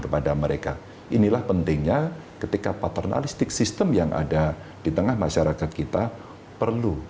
kepada mereka inilah pentingnya ketika paternalistik sistem yang ada di tengah masyarakat kita perlu